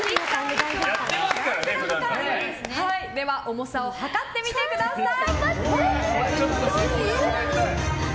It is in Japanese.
重さを量ってみてください。